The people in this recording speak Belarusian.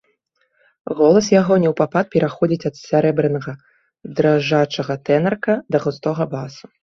Голас яго неўпапад пераходзіць ад сярэбранага дрыжачага тэнарка да густога басу.